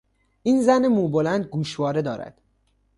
این زن مو بلند گوشواره دارد.